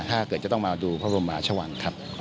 ถ้าเกิดจะต้องมาดูพระบรมภาชวัง